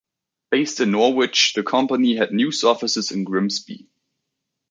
Based in Norwich the company had news offices in Grimsby.